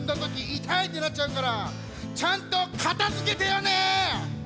「いたい」ってなっちゃうからちゃんとかたづけてよね！